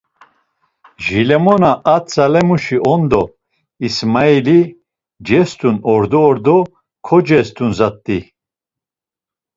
jilemona a tzalemuşi on da ismaili, cest̆un ordo ordo kocest̆un zat̆i.